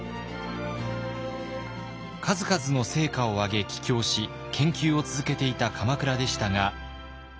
数々の成果を上げ帰京し研究を続けていた鎌倉でしたが。